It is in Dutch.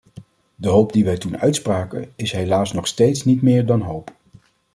De hoop die wij toen uitspraken, is helaas nog steeds niet meer dan hoop.